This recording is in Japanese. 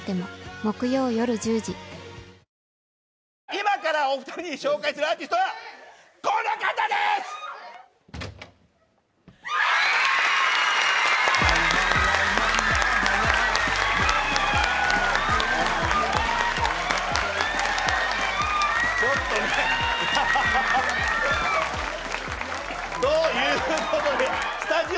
今からお二人に紹介するアーティストはこの方です！ということでスタジオ騒然ですけども。